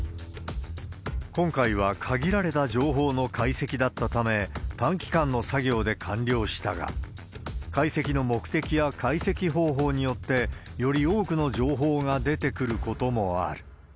今回は限られた情報の解析だったため、短期間の作業で完了したが、解析の目的や解析方法によって、より多くの情報が出てくることもある。